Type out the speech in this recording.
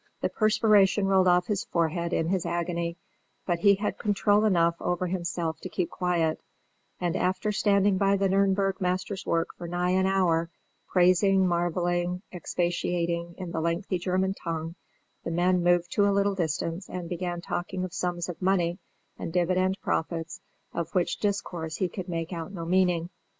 The perspiration rolled off his forehead in his agony; but he had control enough over himself to keep quiet, and after standing by the Nürnberg master's work for nigh an hour, praising, marvelling, expatiating in the lengthy German tongue, the men moved to a little distance and began talking of sums of money and divided profits, of which discourse he could make out no meaning.